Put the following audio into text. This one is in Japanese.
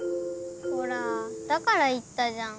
ほらだから言ったじゃん。